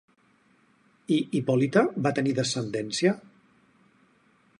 I Hipòlita va tenir descendència?